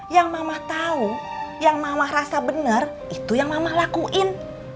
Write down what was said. yang mama tahu yang mama rasa benar itu yang mama lakuin